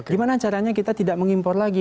gimana caranya kita tidak mengimpor lagi